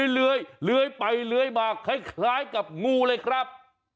เลื้อยไปเลื้อยมาคล้ายกับงูเลยครับ